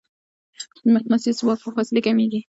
د مقناطیس ځواک په فاصلې کمېږي.